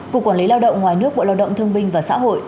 cục quản lý lao động ngoài nước bộ lao động thương binh và xã hội